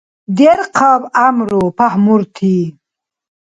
Дерхъаб гӏямру, пагьмурти.